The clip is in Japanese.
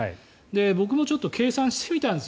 僕もちょっと計算してみたんです